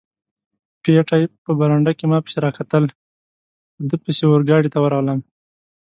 پېټی په برنډه کې ما پسې را کتل، په ده پسې اورګاډي ته ورغلم.